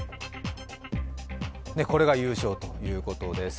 これが優勝ということです。